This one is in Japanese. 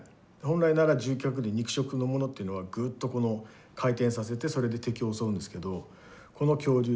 本来なら獣脚類肉食のものというのはグッとこの回転させてそれで敵を襲うんですけどこの恐竜